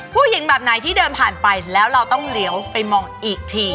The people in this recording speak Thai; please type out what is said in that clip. ผู้หญิงแบบไหนที่เดินผ่านไปแล้วเราต้องเหลียวไปมองอีกที